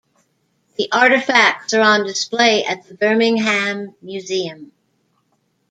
The artifacts are on display at the Birmingham Museum.